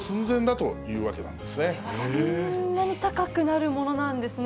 つまり、そんなに高くなるものなんですね。